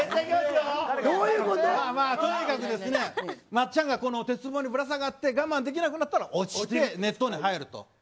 とにかくですね、松ちゃんが鉄棒にぶら下がって我慢できなくなったら落ちて熱湯に入ると。